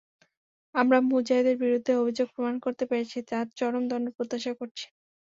আমরা মুজাহিদের বিরুদ্ধে অভিযোগ প্রমাণ করতে পেরেছি, তাঁর চরম দণ্ড প্রত্যাশা করছি।